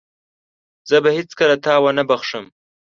زه به هيڅکله تا ونه بخښم.